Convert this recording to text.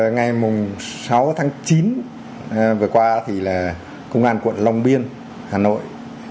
ngày sáu tháng chín vừa qua thì là công an quận long biên hà nội